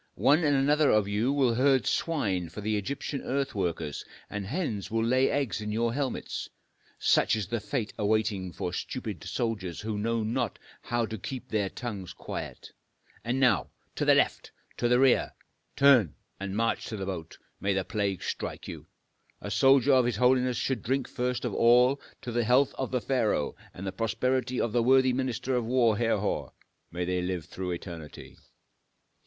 One and another of you will herd swine for Egyptian earth workers, and hens will lay eggs in your helmets. Such is the fate waiting for stupid soldiers who know not how to keep their tongues quiet. And now to the left! to the rear! turn! and march to the boat, may the plague strike you! A soldier of his holiness should drink first of all to the health of the pharaoh and the prosperity of the worthy minister of war, Herhor, may they live through eternity!"